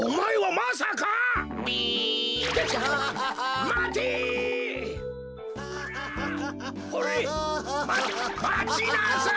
まちなさい。